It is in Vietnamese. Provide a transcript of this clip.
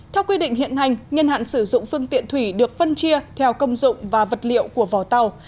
theo quy định hiện hành nhiên hạn sử dụng phương tiện thủy được phân chia theo công dụng và vật liệu của vò tàu